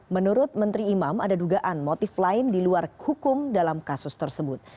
menurut menteri imam ada dugaan motif lain di luar hukum dalam kasus tersebut